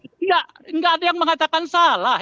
tidak ada yang mengatakan salah